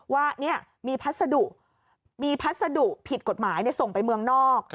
ว่ามีพัสดุผิดกฎหมายส่งไปเมืองนอก